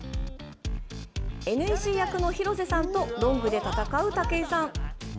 ＮＥＣ役の廣瀬さんとロングで戦う武井さん。